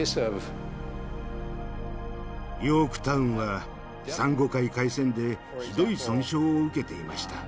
ヨークタウンは珊瑚海海戦でひどい損傷を受けていました。